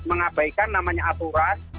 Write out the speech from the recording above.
mengabaikan namanya aturan